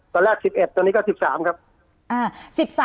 ตอนแรก๑๑ตอนนี้ก็๑๓ครับ